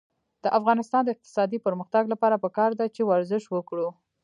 د افغانستان د اقتصادي پرمختګ لپاره پکار ده چې ورزش وکړو.